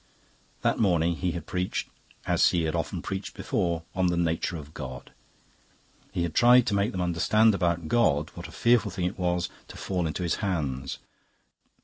That morning he had preached, as he had often preached before, on the nature of God. He had tried to make them understand about God, what a fearful thing it was to fall into His hands.